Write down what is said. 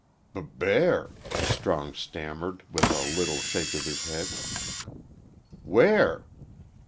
"B bear," Strong stammered, with a little shake of his head. "Where?"